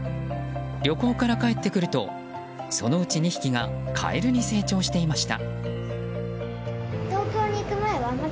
旅行から帰ってくるとそのうち２匹がカエルに成長していました。